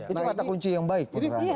itu kata kunci yang baik